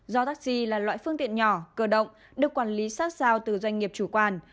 do taxi là loại phương tiện nhỏ cơ động được quản lý sát sao từ doanh nghiệp chủ quản